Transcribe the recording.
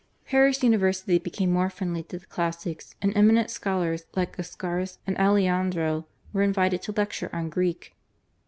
Paris University became more friendly to the classics, and eminent scholars like Lascaris and Aleandro were invited to lecture on Greek.